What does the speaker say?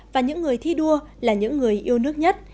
và những người thi đua là những người yêu nước nhất